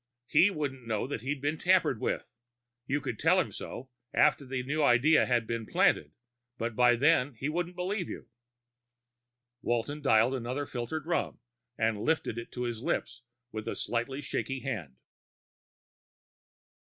He wouldn't know he'd been tampered with; you could tell him so, after the new idea had been planted, and by then he wouldn't believe you. Walton dialed another filtered rum, and lifted it to his lips with a slightly shaky hand.